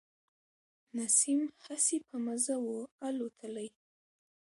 نسیم هسي په مزه و الوتلی.